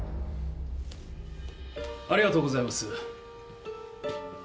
ありがとうございます。